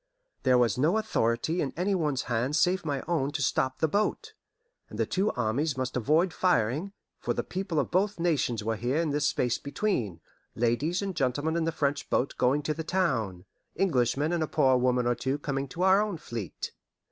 There was no authority in any one's hands save my own to stop the boat, and the two armies must avoid firing, for the people of both nations were here in this space between ladies and gentlemen in the French boat going to the town, Englishmen and a poor woman or two coming to our own fleet.